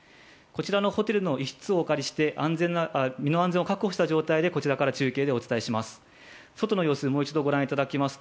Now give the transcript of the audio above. こちらのホテルの一室をお借りして、身の安全を確保した状態で中継でお伝えします。